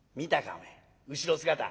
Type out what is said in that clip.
おめえ後ろ姿。